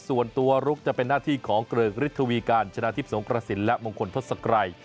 ส่วนตัวลุกจะเป็นหน้าที่ของเกริกฤทธวีการชนะทิพย์สงกระสินและมงคลทศกรัย